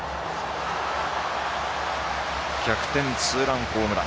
逆転ツーランホームラン